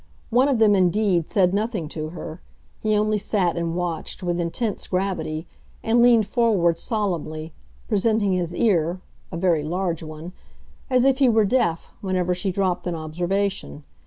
One of them, indeed, said nothing to her; he only sat and watched with intense gravity, and leaned forward solemnly, presenting his ear (a very large one), as if he were deaf, whenever she dropped an observation.